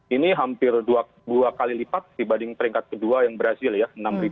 ini hampir dua kali lipat dibanding peringkat kedua yang brazil ya enam sembilan ratus dua puluh dua